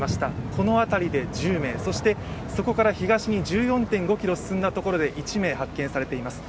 この辺りで１０名、そこから東へ１４．５ｋｍ進んだ所で１名発見されています。